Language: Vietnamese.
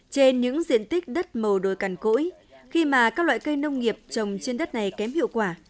trên những diện tích đất màu đồi cằn cỗi khi mà các loại cây nông nghiệp trồng trên đất này kém hiệu quả